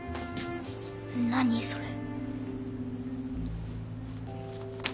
何それ？